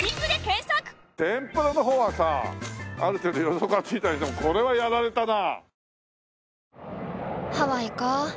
天ぷらの方はさある程度予測がついたけどこれはやられたな。